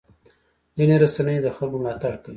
ځینې رسنۍ د خلکو ملاتړ کوي.